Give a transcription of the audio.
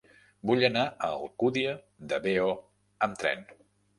Vull anar a l'Alcúdia de Veo amb tren.